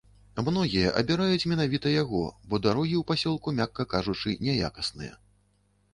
Многія абіраюць менавіта яго, бо дарогі ў пасёлку, мякка кажучы, няякасныя.